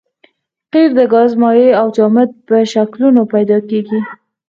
قیر د ګاز مایع او جامد په شکلونو پیدا کیږي